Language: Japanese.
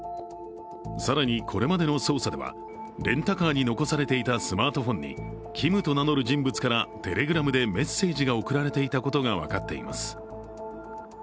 更に、これまでの捜査ではレンタカーに残されていたスマートフォンにＫｉｍと名乗る人物からＴｅｌｅｇｒａｍでメッセージが送られたことが分かっています。